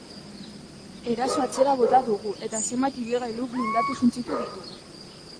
Erasoa atzera bota dugu eta zenbait ibilgailu blindatu suntsitu ditugu.